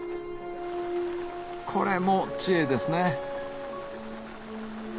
これも知恵ですね